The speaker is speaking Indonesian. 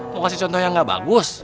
mau kasih contoh yang gak bagus